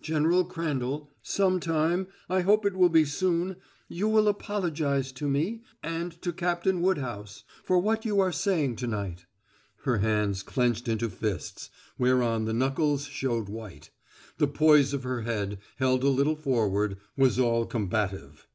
"General Crandall, some time I hope it will be soon you will apologize to me and to Captain Woodhouse for what you are saying to night." Her hands clenched into fists, whereon the knuckles showed white; the poise of her head, held a little forward, was all combative.